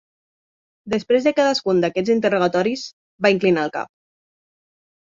Després de cadascun d'aquests interrogatoris, va inclinar el cap.